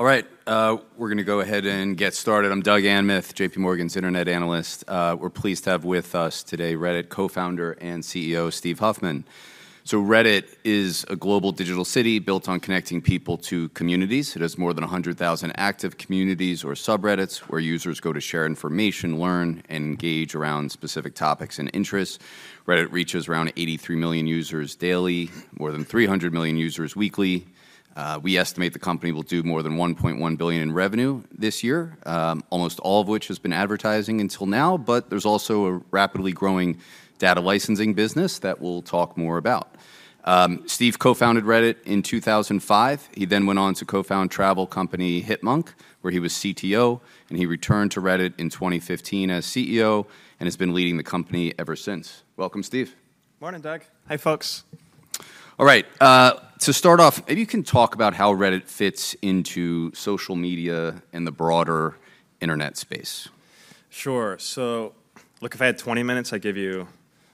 All right, we're gonna go ahead and get started. I'm Doug Anmuth, JPMorgan's internet analyst. We're pleased to have with us today, Reddit co-founder and CEO, Steve Huffman. So Reddit is a global digital city built on connecting people to communities. It has more than 100,000 active communities or subreddits, where users go to share information, learn, and engage around specific topics and interests. Reddit reaches around 83 million users daily, more than 300 million users weekly. We estimate the company will do more than $1.1 billion in revenue this year, almost all of which has been advertising until now, but there's also a rapidly growing data licensing business that we'll talk more about. Steve co-founded Reddit in 2005. He then went on to co-found travel company Hipmunk, where he was CTO, and he returned to Reddit in 2015 as CEO, and has been leading the company ever since. Welcome, Steve. Morning, Doug. Hi, folks. All right, to start off, maybe you can talk about how Reddit fits into social media and the broader internet space. Sure. So look, if I had 20 minutes, I'd give you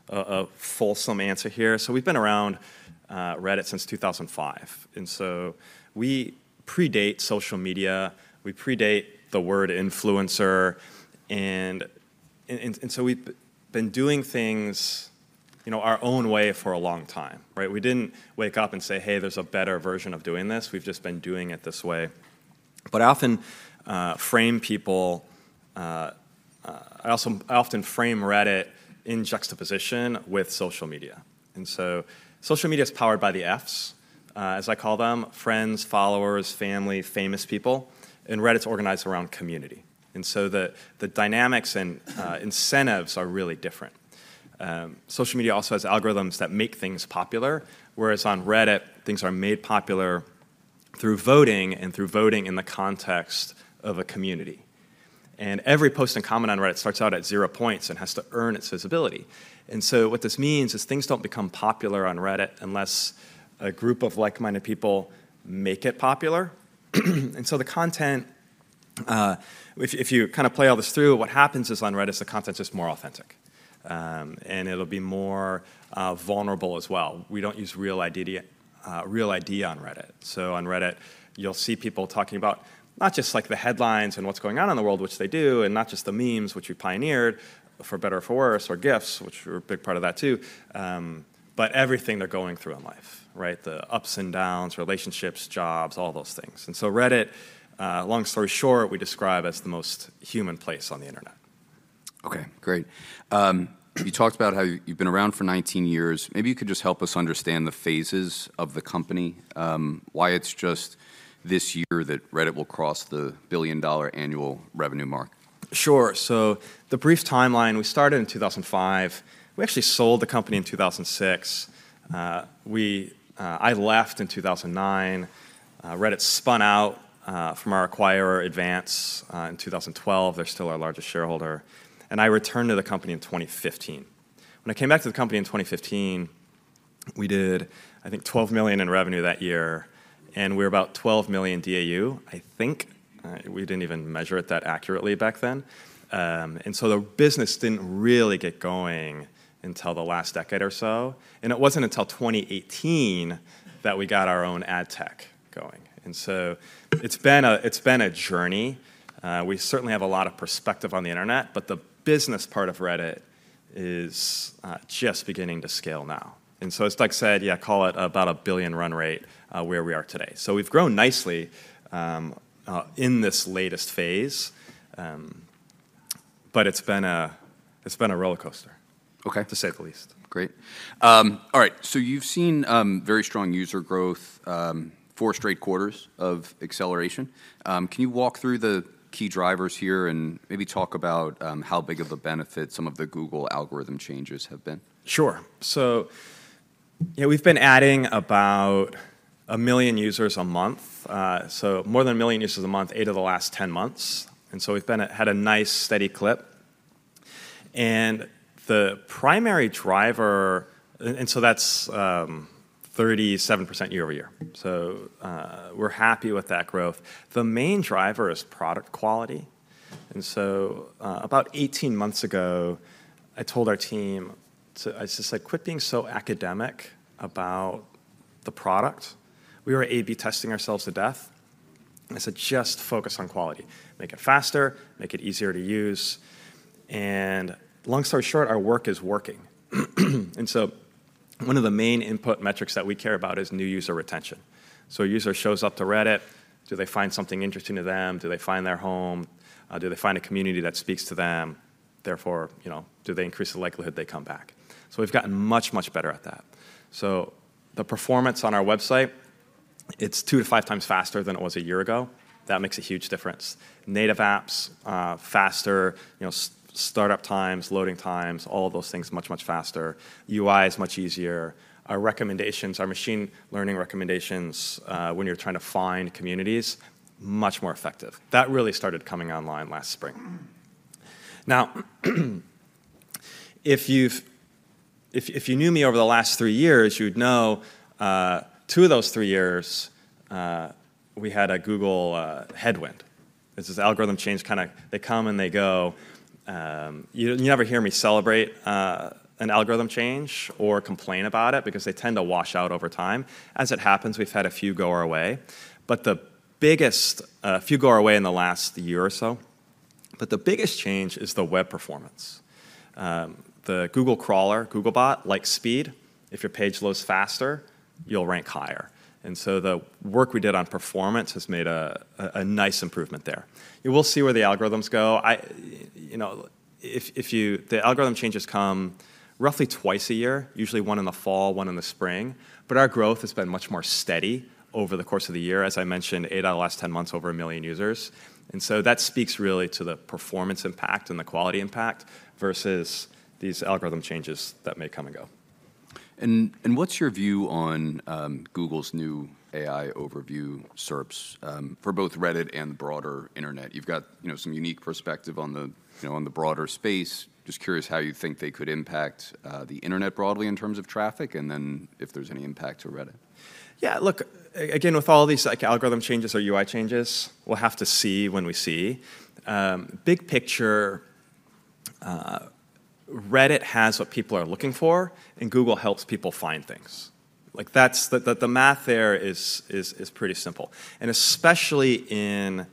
a fulsome answer here. So we've been around Reddit since 2005, and so we predate social media, we predate the word influencer, and so we've been doing things, you know, our own way for a long time, right? We didn't wake up and say: Hey, there's a better version of doing this. We've just been doing it this way. But I often frame people. I also, I often frame Reddit in juxtaposition with social media. And so social media is powered by the Fs, as I call them, friends, followers, family, famous people, and Reddit organized around community, and so the dynamics and incentives are really different. Social media also has algorithms that make things popular, whereas on Reddit, things are made popular through voting and through voting in the context of a community. And every post and comment on Reddit starts out at zero points and has to earn its visibility. And so what this means is things don't become popular on Reddit unless a group of like-minded people make it popular. And so the content, if you kind of play all this through, what happens is on Reddit, is the content's just more authentic, and it'll be more vulnerable as well. We don't use real ID on Reddit. On Reddit, you'll see people talking about not just like the headlines and what's going on in the world, which they do, and not just the memes, which we pioneered, for better or for worse, or GIFs, which were a big part of that too, but everything they're going through in life, right? The ups and downs, relationships, jobs, all those things. And so Reddit, long story short, we describe as the most human place on the internet. Okay, great. You talked about how you've been around for 19 years. Maybe you could just help us understand the phases of the company, why it's just this year that Reddit will cross the billion-dollar annual revenue mark? Sure. So the brief timeline, we started in 2005. We actually sold the company in 2006. I left in 2009. Reddit spun out from our acquirer, Advance, in 2012. They're still our largest shareholder. And I returned to the company in 2015. When I came back to the company in 2015, we did, I think, $12 million in revenue that year, and we were about 12 million DAU, I think. We didn't even measure it that accurately back then. And so the business didn't really get going until the last decade or so, and it wasn't until 2018 that we got our own ad tech going. And so it's been a journey. We certainly have a lot of perspective on the internet, but the business part of Reddit is just beginning to scale now. And so as Doug said, yeah, call it about a $1 billion run rate, where we are today. So we've grown nicely in this latest phase, but it's been a, it's been a roller coaster- Okay To say the least. Great. All right, so you've seen very strong user growth, four straight quarters of acceleration. Can you walk through the key drivers here and maybe talk about how big of a benefit some of the Google algorithm changes have been? Sure. So yeah, we've been adding about 1 million users a month, so more than 1 million users a month, 8 of the last 10 months, and so we've had a nice, steady clip. The primary driver... and so that's 37% year-over-year, so, we're happy with that growth. The main driver is product quality, and so, about 18 months ago, I told our team to, I just said: "Quit being so academic about the product." We were A/B testing ourselves to death. I said, "Just focus on quality. Make it faster, make it easier to use." And long story short, our work is working. And so one of the main input metrics that we care about is new user retention. So a user shows up to Reddit, do they find something interesting to them? Do they find their home? Do they find a community that speaks to them? Therefore, you know, do they increase the likelihood they come back? So we've gotten much, much better at that. So the performance on our website, it's 2-5 times faster than it was a year ago. That makes a huge difference. Native apps, faster, you know, startup times, loading times, all of those things, much, much faster. UI is much easier. Our recommendations, our machine learning recommendations, when you're trying to find communities, much more effective. That really started coming online last spring. Now, if you knew me over the last 3 years, you'd know, two of those 3 years, we had a Google headwind, as this algorithm change kind of, they come and they go. You never hear me celebrate an algorithm change or complain about it, because they tend to wash out over time. As it happens, we've had a few go our way in the last year or so, but the biggest change is the web performance. The Google crawler, Googlebot, likes speed. If your page loads faster, you'll rank higher, and so the work we did on performance has made a nice improvement there. You will see where the algorithms go. You know, the algorithm changes come roughly twice a year, usually one in the fall, one in the spring, but our growth has been much more steady over the course of the year. As I mentioned, 8 out of the last 10 months, over 1 million users, and so that speaks really to the performance impact and the quality impact versus these algorithm changes that may come and go. What's your view on Google's new AI Overviews SERPs for both Reddit and the broader internet? You've got, you know, some unique perspective on the, you know, on the broader space. Just curious how you think they could impact the internet broadly in terms of traffic, and then if there's any impact to Reddit. Yeah, look, again, with all these, like, algorithm changes or UI changes, we'll have to see when we see. Big picture, Reddit has what people are looking for, and Google helps people find things. Like, that's the math there is pretty simple, and especially in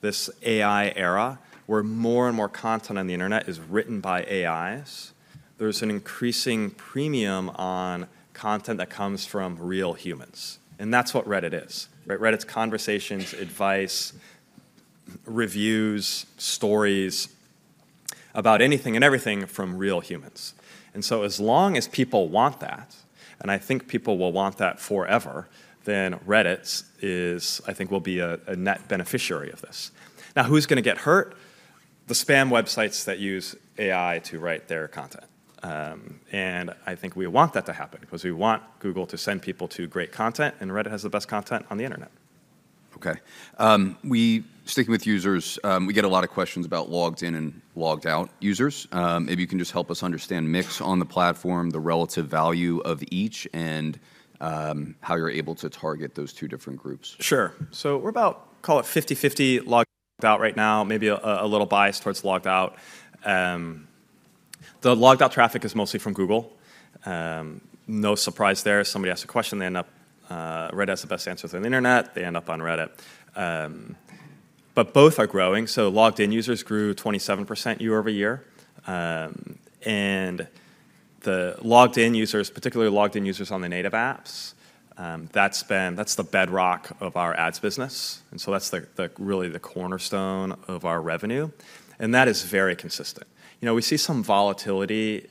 this AI era, where more and more content on the internet is written by AIs, there's an increasing premium on content that comes from real humans, and that's what Reddit is, right? Reddit's conversations, advice, reviews, stories about anything and everything from real humans. And so as long as people want that, and I think people will want that forever, then Reddit's, I think, will be a net beneficiary of this. Now, who's gonna get hurt? The spam websites that use AI to write their content. I think we want that to happen because we want Google to send people to great content, and Reddit has the best content on the internet. Okay. Sticking with users, we get a lot of questions about logged-in and logged-out users. Maybe you can just help us understand mix on the platform, the relative value of each, and how you're able to target those two different groups. Sure. So we're about, call it 50/50 logged-out right now, maybe a little biased towards logged-out. The logged-out traffic is mostly from Google. No surprise there. Somebody asks a question, they end up, Reddit has the best answers on the internet, they end up on Reddit. But both are growing, so logged-in users grew 27% year-over-year. And the logged-in users, particularly logged-in users on the native apps, that's the bedrock of our ads business, and so that's the really the cornerstone of our revenue, and that is very consistent. You know, we see some volatility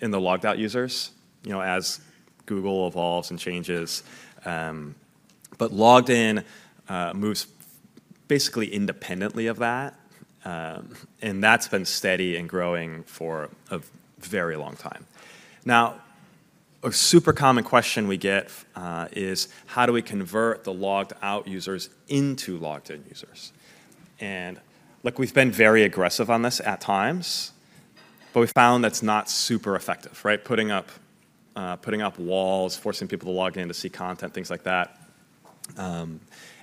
in the logged-out users, you know, as Google evolves and changes, but logged-in moves basically independently of that, and that's been steady and growing for a very long time. Now, a super common question we get is: How do we convert the logged-out users into logged-in users? And, look, we've been very aggressive on this at times, but we've found that's not super effective, right? Putting up walls, forcing people to log in to see content, things like that.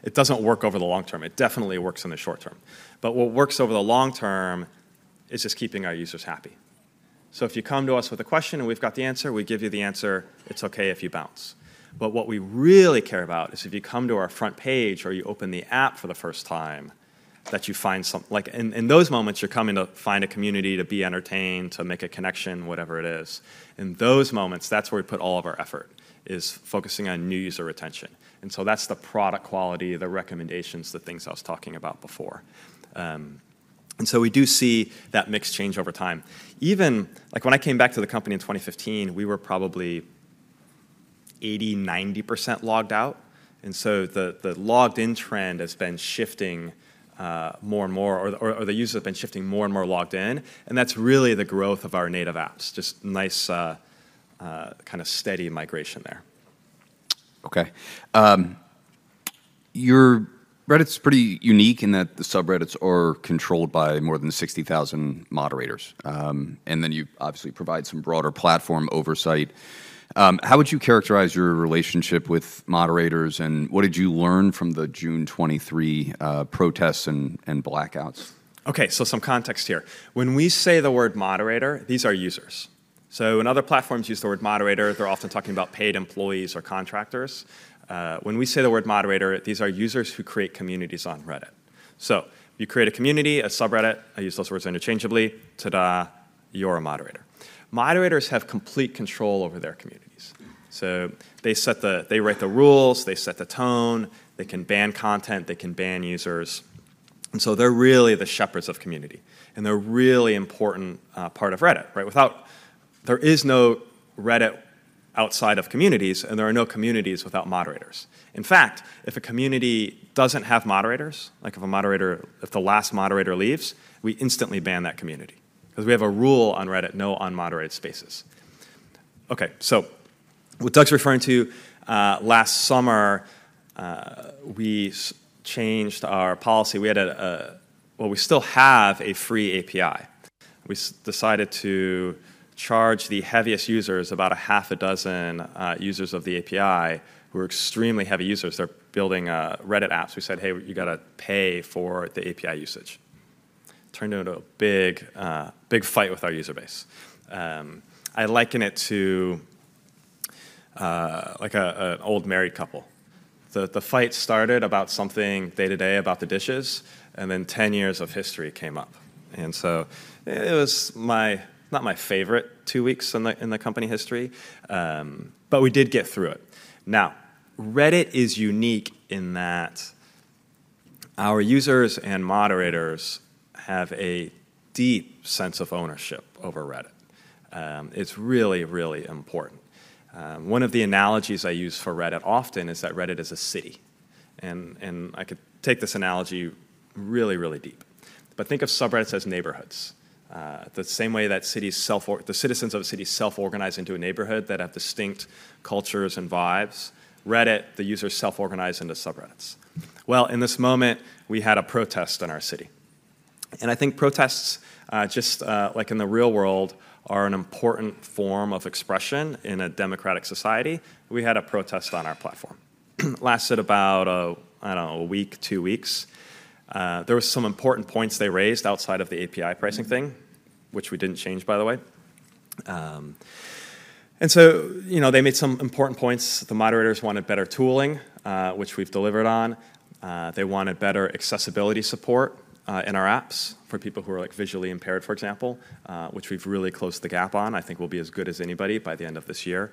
It doesn't work over the long term. It definitely works in the short term. But what works over the long term is just keeping our users happy. So if you come to us with a question and we've got the answer, we give you the answer, it's okay if you bounce. But what we really care about is if you come to our front page or you open the app for the first time, that you find something like in those moments, you're coming to find a community, to be entertained, to make a connection, whatever it is. In those moments, that's where we put all of our effort, is focusing on new-user retention, and so that's the product quality, the recommendations, the things I was talking about before. And so we do see that mix change over time. Even, like when I came back to the company in 2015, we were probably 80%-90% logged-out, and so the logged-in trend has been shifting more and more, or the users have been shifting more and more logged-in, and that's really the growth of our native apps. Just nice, kind of steady migration there. Okay. Reddit's pretty unique in that the subreddits are controlled by more than 60,000 moderators. Then you obviously provide some broader platform oversight. How would you characterize your relationship with moderators, and what did you learn from the June 2023 protests and blackouts? Okay, so some context here. When we say the word moderator, these are users. So when other platforms use the word moderator, they're often talking about paid employees or contractors. When we say the word moderator, these are users who create communities on Reddit. So you create a community, a subreddit, I use those words interchangeably, ta-da, you're a moderator. Moderators have complete control over their communities. So they set the, they write the rules, they set the tone, they can ban content, they can ban users, and so they're really the shepherds of community, and they're a really important part of Reddit, right? Without, there is no Reddit outside of communities, and there are no communities without moderators. In fact, if a community doesn't have moderators, like if a moderator, if the last moderator leaves, we instantly ban that community, 'cause we have a rule on Reddit, no unmoderated spaces. Okay, so what Doug's referring to, last summer, we changed our policy. We had a. Well, we still have a free API. We decided to charge the heaviest users, about 6 users of the API, who are extremely heavy users. They're building Reddit apps. We said, "Hey, you gotta pay for the API usage." Turned into a big fight with our user base. I liken it to like an old married couple. The fight started about something day-to-day about the dishes, and then 10 years of history came up, and so it was my... Not my favorite two weeks in the company history, but we did get through it. Now, Reddit is unique in that our users and moderators have a deep sense of ownership over Reddit. It's really, really important. One of the analogies I use for Reddit often is that Reddit is a city, and I could take this analogy really, really deep, but think of subreddits as neighborhoods. The same way that the citizens of a city self-organize into a neighborhood that have distinct cultures and vibes, Reddit, the users self-organize into subreddits. Well, in this moment, we had a protest in our city, and I think protests, just, like in the real world, are an important form of expression in a democratic society. We had a protest on our platform. Lasted about, I don't know, a week, two weeks. There were some important points they raised outside of the API pricing thing- Mm-hmm. Which we didn't change, by the way. And so, you know, they made some important points. The moderators wanted better tooling, which we've delivered on. They wanted better accessibility support, in our apps for people who are, like, visually impaired, for example, which we've really closed the gap on. I think we'll be as good as anybody by the end of this year.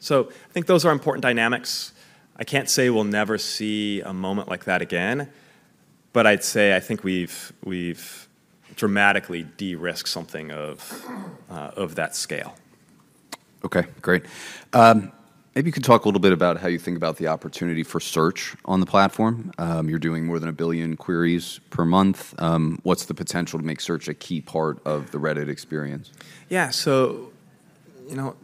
So I think those are important dynamics. I can't say we'll never see a moment like that again, but I'd say I think we've dramatically de-risked something of of that scale. Okay, great. Maybe you can talk a little bit about how you think about the opportunity for search on the platform. You're doing more than 1 billion queries per month. What's the potential to make search a key part of the Reddit experience? Yeah, so, you know,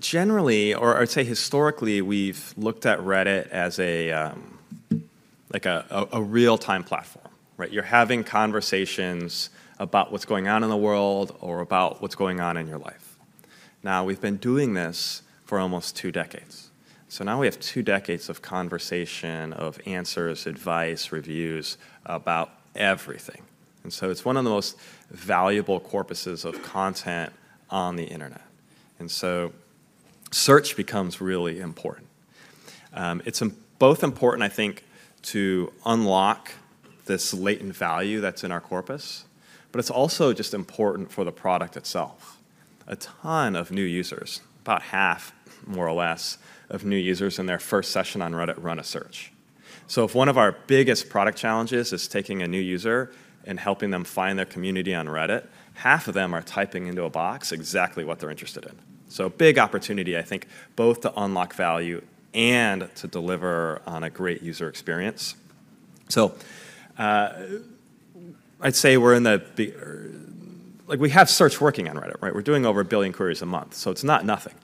generally, or I'd say historically, we've looked at Reddit as a, like, a real-time platform, right? You're having conversations about what's going on in the world or about what's going on in your life. Now, we've been doing this for almost two decades, so now we have two decades of conversation, of answers, advice, reviews about everything, and so it's one of the most valuable corpuses of content on the internet, and so search becomes really important. It's both important, I think, to unlock this latent value that's in our corpus, but it's also just important for the product itself. A ton of new users, about half, more or less, of new users in their first session on Reddit, run a search. So if one of our biggest product challenges is taking a new user and helping them find their community on Reddit, half of them are typing into a box exactly what they're interested in. So big opportunity, I think, both to unlock value and to deliver on a great user experience. So, I'd say we're in the like, we have search working on Reddit, right? We're doing over 1 billion queries a month, so it's not nothing,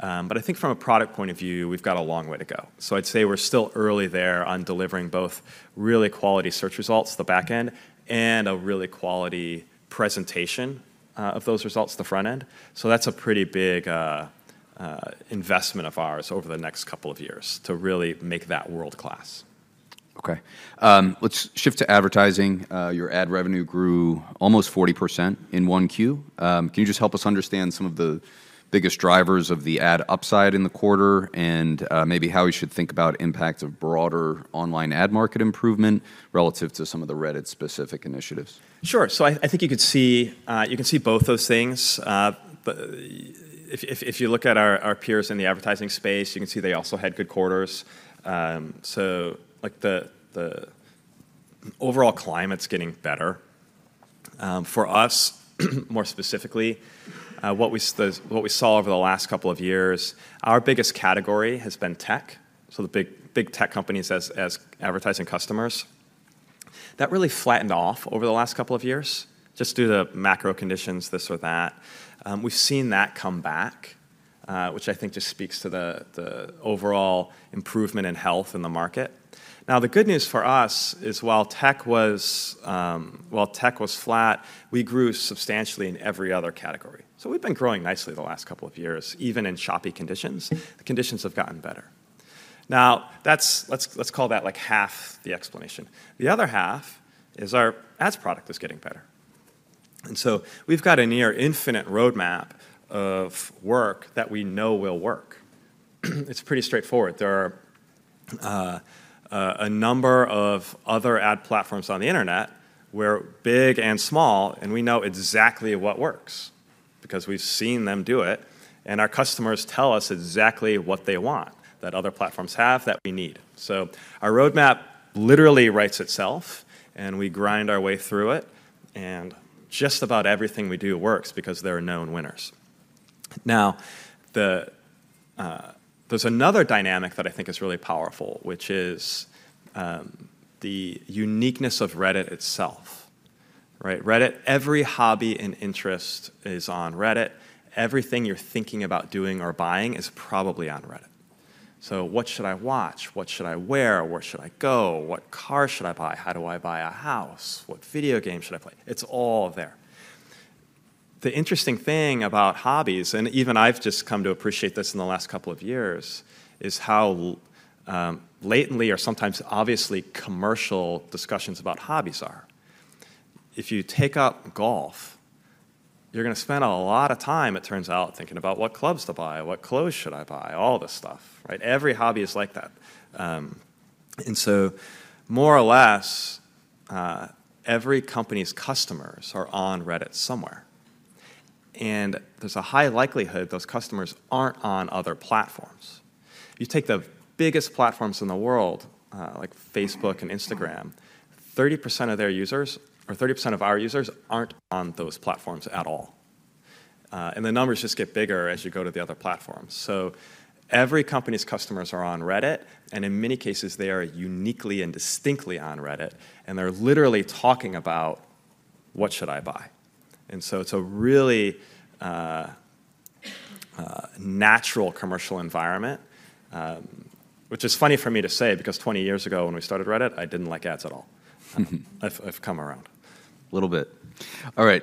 but I think from a product point of view, we've got a long way to go. So I'd say we're still early there on delivering both really quality search results, the back end, and a really quality presentation of those results, the front end. So that's a pretty big investment of ours over the next couple of years to really make that world-class. Okay. Let's shift to advertising. Your ad revenue grew almost 40% in 1Q. Can you just help us understand some of the biggest drivers of the ad upside in the quarter and, maybe how we should think about impact of broader online ad market improvement relative to some of the Reddit-specific initiatives? Sure, so I think you can see both those things. But if you look at our peers in the advertising space, you can see they also had good quarters. So, like, the overall climate's getting better. For us, more specifically, what we saw over the last couple of years, our biggest category has been tech, so the big tech companies as advertising customers. That really flattened off over the last couple of years, just due to macro conditions, this or that. We've seen that come back, which I think just speaks to the overall improvement in health in the market. Now, the good news for us is, while tech was flat, we grew substantially in every other category. So we've been growing nicely the last couple of years, even in choppy conditions. The conditions have gotten better. Now, that's. Let's, let's call that, like, half the explanation. The other half is our ads product is getting better, and so we've got a near infinite roadmap of work that we know will work. It's pretty straightforward. There are a number of other ad platforms on the internet, big and small, and we know exactly what works because we've seen them do it, and our customers tell us exactly what they want that other platforms have that we need. So our roadmap literally writes itself, and we grind our way through it, and just about everything we do works because they're known winners. Now, there's another dynamic that I think is really powerful, which is the uniqueness of Reddit itself, right? Reddit, every hobby and interest is on Reddit. Everything you're thinking about doing or buying is probably on Reddit. So what should I watch? What should I wear? Where should I go? What car should I buy? How do I buy a house? What video game should I play? It's all there. The interesting thing about hobbies, and even I've just come to appreciate this in the last couple of years, is how latently or sometimes obviously commercial discussions about hobbies are. If you take up golf, you're gonna spend a lot of time, it turns out, thinking about what clubs to buy, what clothes should I buy, all this stuff, right? Every hobby is like that. And so more or less, every company's customers are on Reddit somewhere, and there's a high likelihood those customers aren't on other platforms. You take the biggest platforms in the world, like Facebook and Instagram, 30% of their users, or 30% of our users aren't on those platforms at all. And the numbers just get bigger as you go to the other platforms. So every company's customers are on Reddit, and in many cases, they are uniquely and distinctly on Reddit, and they're literally talking about, "What should I buy?" And so it's a really natural commercial environment, which is funny for me to say, because 20 years ago, when we started Reddit, I didn't like ads at all. I've, I've come around. A little bit. All right,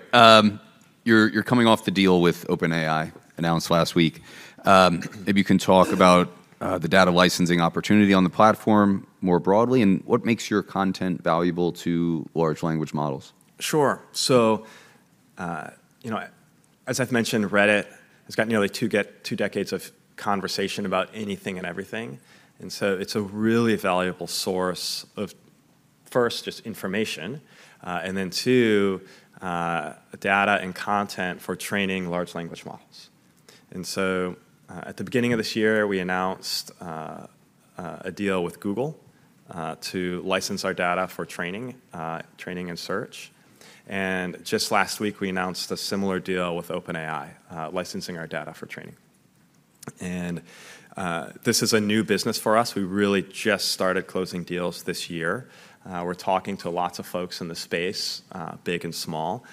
you're coming off the deal with OpenAI, announced last week. Maybe you can talk about the data licensing opportunity on the platform more broadly, and what makes your content valuable to large language models? Sure. So, you know, as I've mentioned, Reddit has got nearly two decades of conversation about anything and everything, and so it's a really valuable source of, first, just information, and then two, data and content for training large language models. And so, at the beginning of this year, we announced a deal with Google to license our data for training and search. And, just last week, we announced a similar deal with OpenAI, licensing our data for training. And, this is a new business for us. We really just started closing deals this year. We're talking to lots of folks in the space, big and small.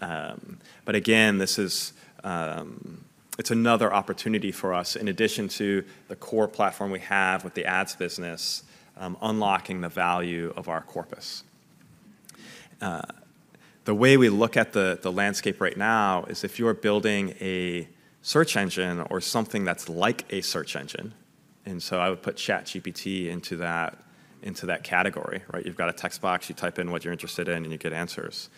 But again, this is, it's another opportunity for us, in addition to the core platform we have with the ads business, unlocking the value of our corpus. The way we look at the landscape right now is if you are building a search engine or something that's like a search engine, and so I would put ChatGPT into that category, right? You've got a text box, you type in what you're interested in, and you get answers.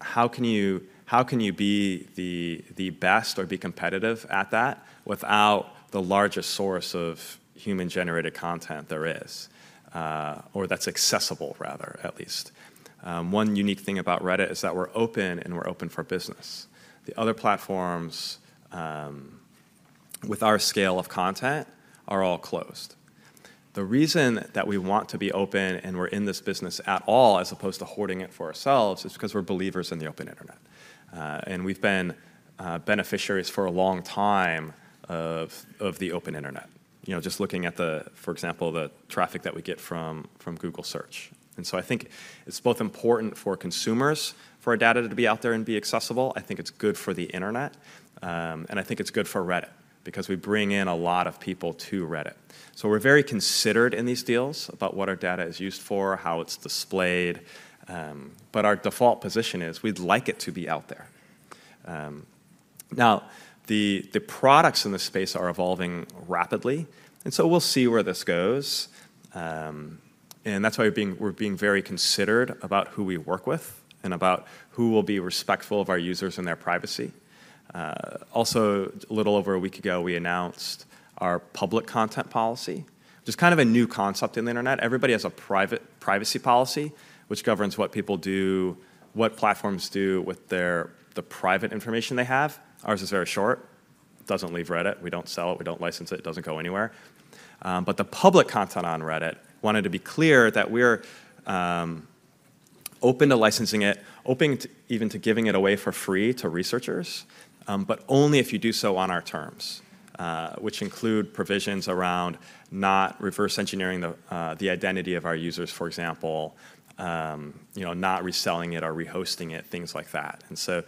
How can you be the best or be competitive at that without the largest source of human-generated content there is, or that's accessible, rather, at least? One unique thing about Reddit is that we're open, and we're open for business. The other platforms with our scale of content are all closed. The reason that we want to be open and we're in this business at all, as opposed to hoarding it for ourselves, is because we're believers in the open internet, and we've been beneficiaries for a long time of the open internet. You know, just looking at, for example, the traffic that we get from Google Search. And so I think it's both important for consumers, for our data to be out there and be accessible. I think it's good for the internet, and I think it's good for Reddit because we bring in a lot of people to Reddit. So we're very considered in these deals about what our data is used for, how it's displayed, but our default position is we'd like it to be out there. Now, the products in this space are evolving rapidly, and so we'll see where this goes. That's why we're being very considered about who we work with and about who will be respectful of our users and their privacy. Also, a little over a week ago, we announced our Public Content Policy, which is kind of a new concept in the internet. Everybody has a private privacy policy, which governs what people do, what platforms do with their, the private information they have. Ours is very short. It doesn't leave Reddit. We don't sell it, we don't license it, it doesn't go anywhere. But the public content on Reddit, wanted to be clear that we're open to licensing it, open to even to giving it away for free to researchers, but only if you do so on our terms, which include provisions around not reverse engineering the identity of our users, for example, you know, not reselling it or rehosting it, things like that. And so,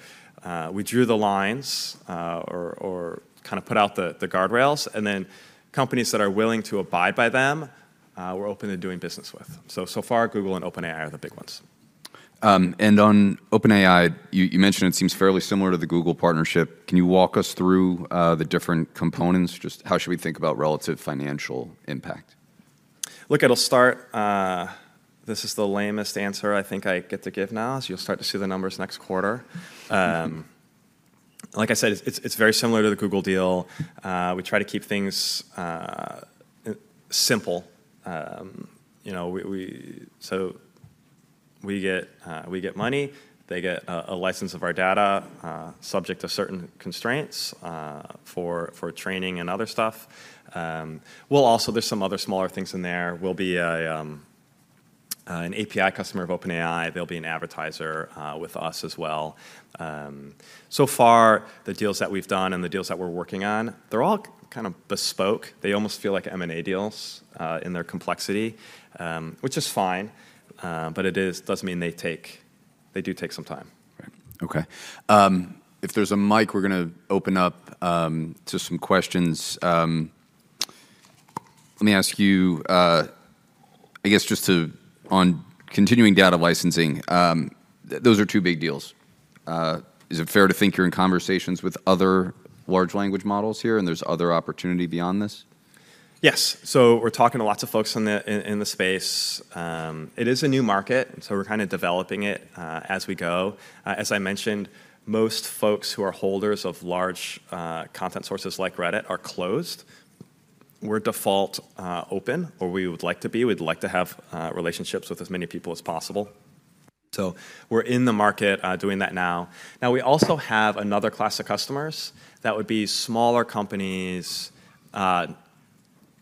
we drew the lines, or kind of put out the guardrails, and then companies that are willing to abide by them, we're open to doing business with. So, so far, Google and OpenAI are the big ones. And on OpenAI, you mentioned it seems fairly similar to the Google partnership. Can you walk us through the different components? Just how should we think about relative financial impact? Look, it'll start. This is the lamest answer I think I get to give now, is you'll start to see the numbers next quarter. Like I said, it's very similar to the Google deal. We try to keep things simple. You know, so we get money, they get a license of our data, subject to certain constraints, for training and other stuff. We'll also, there's some other smaller things in there. We'll be an API customer of OpenAI. They'll be an advertiser with us as well. So far, the deals that we've done and the deals that we're working on, they're all kind of bespoke. They almost feel like M&A deals in their complexity, which is fine, but it does mean they take, they do take some time. Okay. If there's a mic, we're gonna open up to some questions. Let me ask you, I guess just to on continuing data licensing, those are two big deals. Is it fair to think you're in conversations with other large language models here, and there's other opportunity beyond this? Yes. So we're talking to lots of folks in the space. It is a new market, so we're kind of developing it as we go. As I mentioned, most folks who are holders of large content sources like Reddit are closed. We're default open, or we would like to be. We'd like to have relationships with as many people as possible. So we're in the market doing that now. Now, we also have another class of customers that would be smaller companies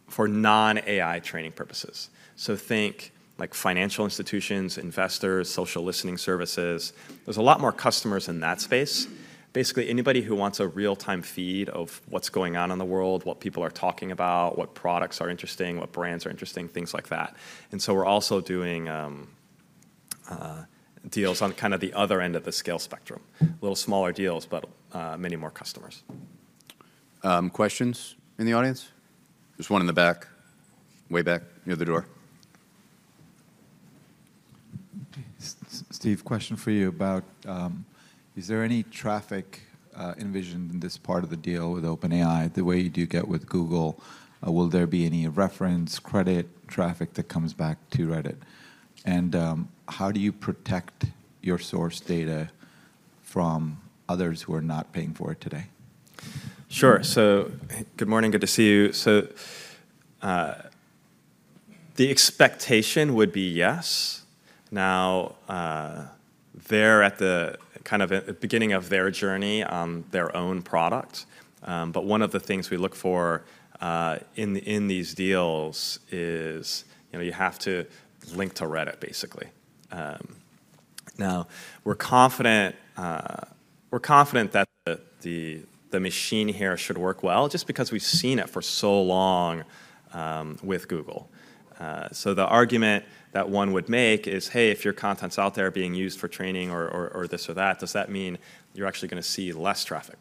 for non-AI training purposes. So think like financial institutions, investors, social listening services. There's a lot more customers in that space. Basically, anybody who wants a real-time feed of what's going on in the world, what people are talking about, what products are interesting, what brands are interesting, things like that. And so we're also doing deals on kind of the other end of the scale spectrum. Little smaller deals, but many more customers. Questions in the audience? There's one in the back, way back near the door. Steve, question for you about... Is there any traffic envisioned in this part of the deal with OpenAI, the way you do get with Google? Will there be any reference, credit, traffic that comes back to Reddit? And, how do you protect your source data from others who are not paying for it today? Sure. So good morning, good to see you. The expectation would be yes. Now, they're at the kind of beginning of their journey on their own product. But one of the things we look for in these deals is, you know, you have to link to Reddit, basically. Now, we're confident, we're confident that the machine here should work well just because we've seen it for so long with Google. So the argument that one would make is, hey, if your content's out there being used for training or this or that, does that mean you're actually gonna see less traffic?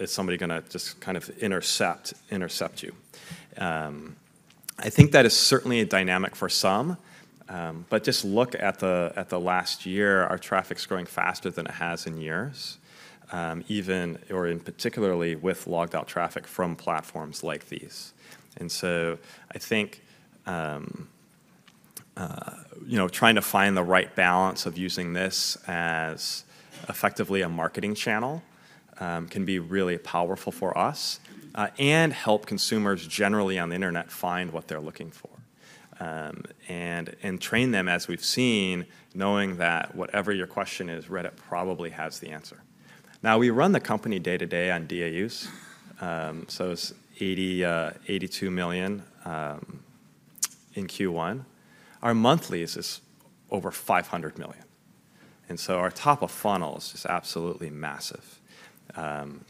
Is somebody gonna just kind of intercept you? I think that is certainly a dynamic for some, but just look at the last year, our traffic's growing faster than it has in years, even, or in particularly with logged-out traffic from platforms like these. And so I think, you know, trying to find the right balance of using this as effectively a marketing channel can be really powerful for us, and help consumers generally on the internet find what they're looking for, and train them, as we've seen, knowing that whatever your question is, Reddit probably has the answer. Now, we run the company day-to-day on DAUs, so it's 82 million in Q1. Our monthly is over 500 million, and so our top of funnels is absolutely massive. And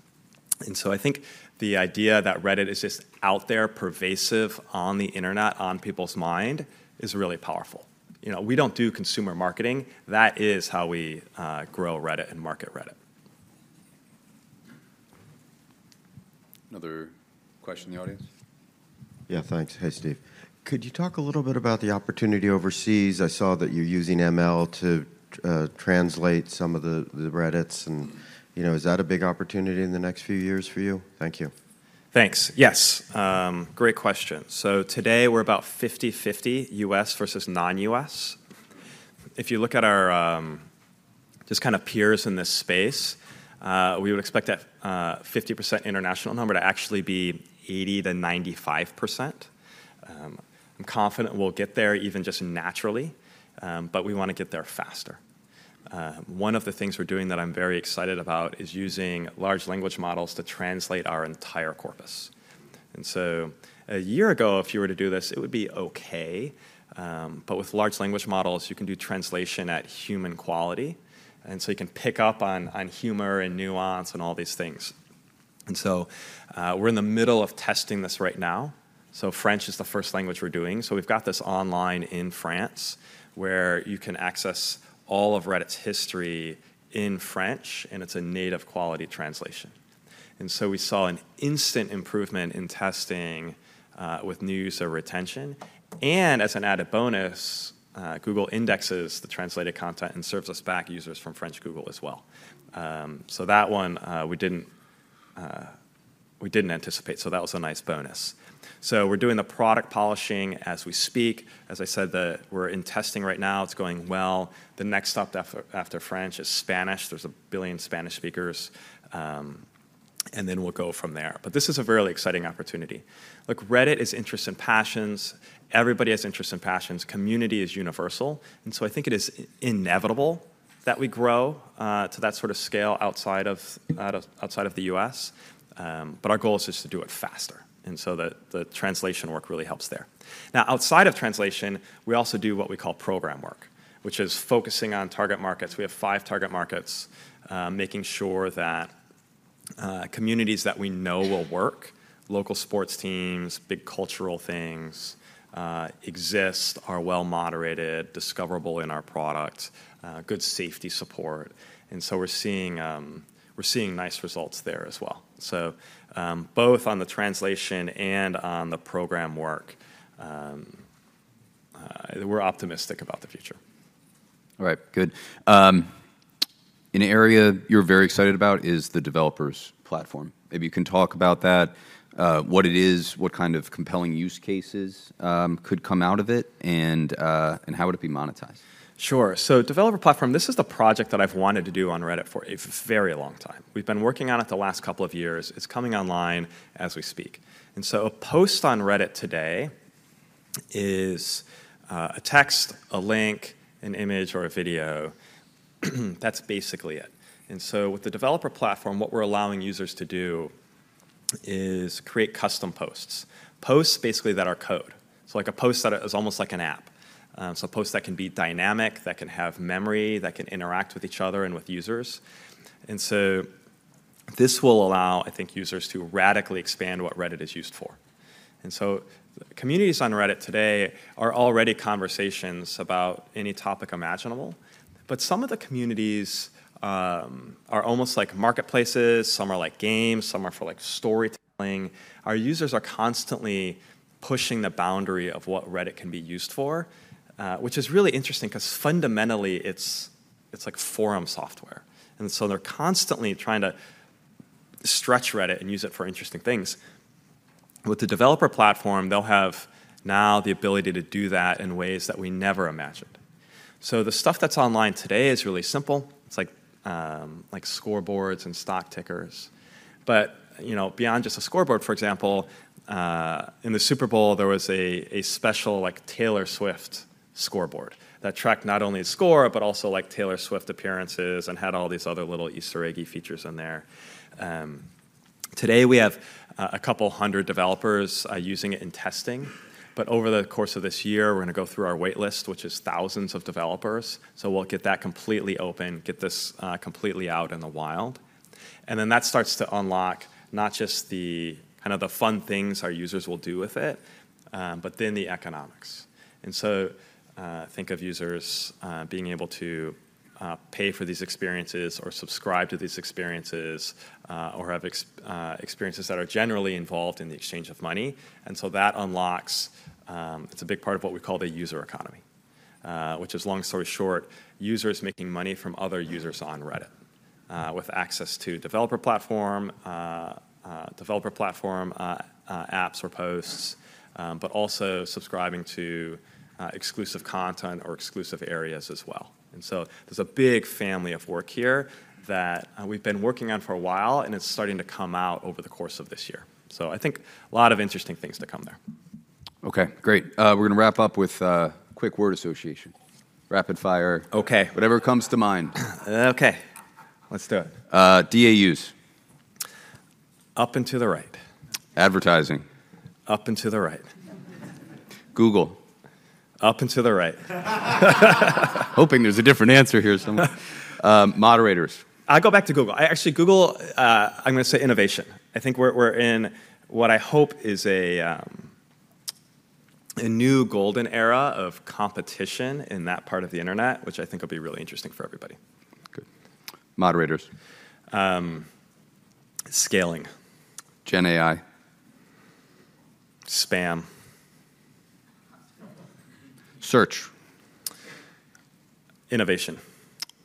so I think the idea that Reddit is just out there, pervasive on the internet, on people's mind, is really powerful. You know, we don't do consumer marketing. That is how we grow Reddit and market Reddit. Another question in the audience? Yeah, thanks. Hey, Steve. Could you talk a little bit about the opportunity overseas? I saw that you're using ML to translate some of the Reddit and, you know, is that a big opportunity in the next few years for you? Thank you. Thanks. Yes, great question. So today, we're about 50/50 U.S. versus non-U.S. If you look at our, just kind of peers in this space, we would expect that, 50% international number to actually be 80%-95%. I'm confident we'll get there even just naturally, but we want to get there faster. One of the things we're doing that I'm very excited about is using large language models to translate our entire corpus. And so a year ago, if you were to do this, it would be okay, but with large language models, you can do translation at human quality, and so you can pick up on, on humor and nuance and all these things. And so, we're in the middle of testing this right now. So French is the first language we're doing. So we've got this online in France, where you can access all of Reddit's history in French, and it's a native quality translation. So we saw an instant improvement in testing with new user retention, and as an added bonus, Google indexes the translated content and serves us back users from French Google as well. So that one, we didn't, we didn't anticipate, so that was a nice bonus. So we're doing the product polishing as we speak. As I said, we're in testing right now. It's going well. The next stop after French is Spanish. There's 1 billion Spanish speakers, and then we'll go from there. But this is a very exciting opportunity. Look, Reddit is interests and passions. Everybody has interests and passions. Community is universal, and so I think it is inevitable that we grow to that sort of scale outside of the U.S., but our goal is just to do it faster, and so the translation work really helps there. Now, outside of translation, we also do what we call program work, which is focusing on target markets. We have five target markets, making sure that communities that we know will work, local sports teams, big cultural things, exist, are well-moderated, discoverable in our product, good safety support. And so we're seeing nice results there as well. So, both on the translation and on the program work, we're optimistic about the future. All right, good. An area you're very excited about is the Developer Platform. Maybe you can talk about that, what it is, what kind of compelling use cases could come out of it, and, and how would it be monetized? Sure. So Developer Platform, this is the project that I've wanted to do on Reddit for a very long time. We've been working on it the last couple of years. It's coming online as we speak. And so a post on Reddit today is, a text, a link, an image, or a video. That's basically it. And so with the Developer Platform, what we're allowing users to do is create custom posts, posts basically that are code, so like a post that is almost like an app. So a post that can be dynamic, that can have memory, that can interact with each other and with users. And so this will allow, I think, users to radically expand what Reddit is used for. And so communities on Reddit today are already conversations about any topic imaginable, but some of the communities are almost like marketplaces, some are like games, some are for like storytelling. Our users are constantly pushing the boundary of what Reddit can be used for, which is really interesting, 'cause fundamentally, it's, it's like forum software, and so they're constantly trying to stretch Reddit and use it for interesting things. With the Developer Platform, they'll have now the ability to do that in ways that we never imagined. So the stuff that's online today is really simple. It's like, like scoreboards and stock tickers. But, you know, beyond just a scoreboard, for example, in the Super Bowl, there was a special, like, Taylor Swift scoreboard that tracked not only the score, but also, like, Taylor Swift appearances, and had all these other little Easter egg-y features in there. Today we have a couple hundred developers using it in testing, but over the course of this year, we're gonna go through our wait list, which is thousands of developers. So we'll get that completely open, get this completely out in the wild, and then that starts to unlock not just the kind of the fun things our users will do with it, but then the economics. And so, think of users being able to pay for these experiences or subscribe to these experiences, or have experiences that are generally involved in the exchange of money, and so that unlocks. It's a big part of what we call the user economy, which is, long story short, users making money from other users on Reddit, with access to Developer Platform apps or posts, but also subscribing to exclusive content or exclusive areas as well. And so there's a big family of work here that we've been working on for a while, and it's starting to come out over the course of this year. So I think a lot of interesting things to come there. Okay, great. We're gonna wrap up with a quick word association. Rapid fire. Okay. Whatever comes to mind. Okay, let's do it. Uh, DAUs. Up and to the right. Advertising. Up and to the right. Google. Up and to the right. Hoping there's a different answer here somewhere. Moderators. I go back to Google. I actually, Google, I'm gonna say innovation. I think we're in what I hope is a new golden era of competition in that part of the internet, which I think will be really interesting for everybody. Good. Moderators. Um, scaling. Gen AI. Spam. Search. Innovation.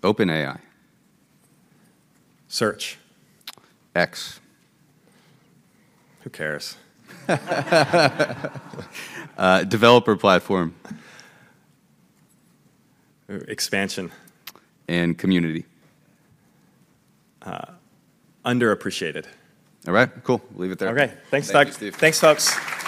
OpenAI. Search. X. Who cares? Developer platform. Uh, expansion. And community. Uh, underappreciated. All right, cool. We'll leave it there. Okay, thanks, Doug. Thank you, Steve. Thanks, folks.